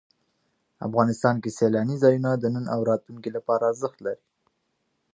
افغانستان کې سیلانی ځایونه د نن او راتلونکي لپاره ارزښت لري.